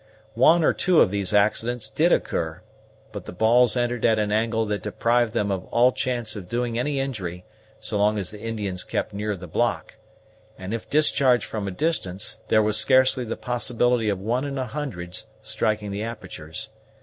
One or two of these accidents did occur, but the balls entered at an angle that deprived them of all chance of doing any injury so long as the Indians kept near the block; and if discharged from a distance, there was scarcely the possibility of one in a hundred's striking the apertures.